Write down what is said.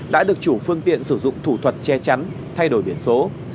đã được chủ phương tiện sử dụng thủ thuật che chắn thay đổi biển số